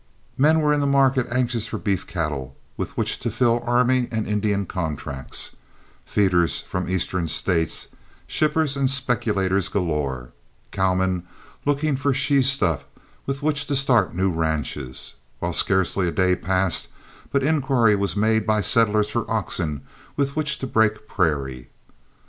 Men were in the market anxious for beef cattle with which to fill army and Indian contracts, feeders from Eastern States, shippers and speculators galore, cowmen looking for she stuff with which to start new ranches, while scarcely a day passed but inquiry was made by settlers for oxen with which to break prairie.